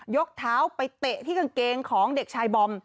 ยกเท้าไปเตะที่กางเกงของเด็กชายบอม